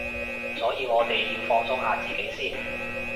所以我哋要放鬆下自己先